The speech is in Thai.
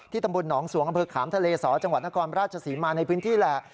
ตำบลหนองสวงอำเภอขามทะเลสอจังหวัดนครราชศรีมาในพื้นที่แหละ